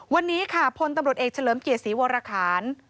วันนี้ค่ะพนตำรวจเอกเฉลิมเกลียดสีวรคาญ